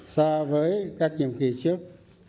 so với các nhiệm kỳ trước